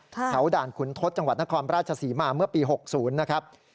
แถวด่านขุนทศจังหวัดนครราชศรีมาเมื่อปี๖๐นะครับ